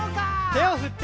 「手を振って」